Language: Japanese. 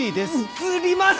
移ります！